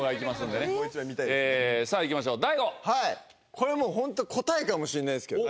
これもう本当答えかもしんないですけど。